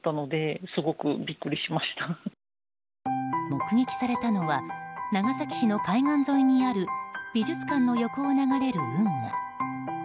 目撃されたのは長崎市の海岸沿いにある美術館の横を流れる運河。